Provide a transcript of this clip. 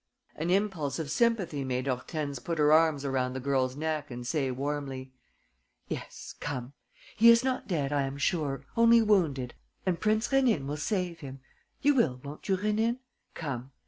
An impulse of sympathy made Hortense put her arms around the girl's neck and say warmly: "Yes, come. He is not dead, I am sure, only wounded; and Prince Rénine will save him. You will, won't you, Rénine?... Come.